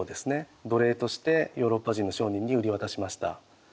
奴隷としてヨーロッパ人の商人に売り渡しました。